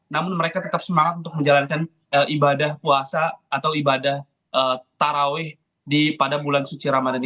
namun mereka tetap semangat untuk menjalankan ibadah puasa atau ibadah taraweh pada bulan suci ramadan